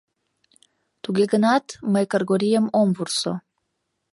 Туге гынат мый Кыргорийым ом вурсо.